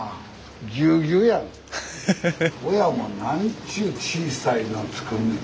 親も何ちゅう小さいのを作んねん。